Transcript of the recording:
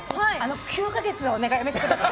９か月はやめてください。